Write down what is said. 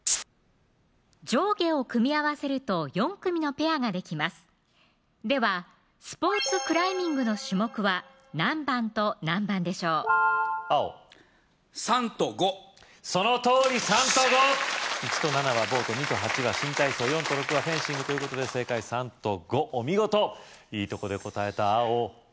上下を組み合わせると４組のペアができますではスポーツクライミングの種目は何番と何番でしょう青３と５そのとおり３と５１と７はボート２と８が新体操４と６はフェンシングということで正解３と５お見事いいとこで答えた青何番？